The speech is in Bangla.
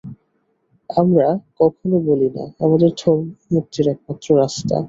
আমরা কখনও বলি না, আমাদের ধর্মই মুক্তির একমাত্র রাস্তা।